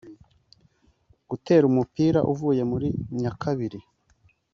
gutera umupira uvuye muri nyakabiri